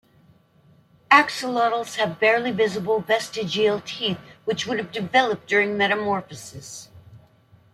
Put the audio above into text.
Axolotls have barely visible vestigial teeth, which would have developed during metamorphosis.